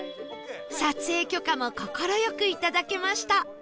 撮影許可も快くいただけました